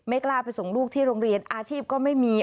กล้าไปส่งลูกที่โรงเรียนอาชีพก็ไม่มี